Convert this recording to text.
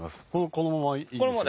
このままいいんですよね？